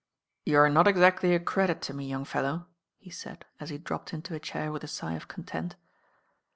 "You're not exactly a credit to me, young fellow," he said as he dropped into a chair with a sigh of content.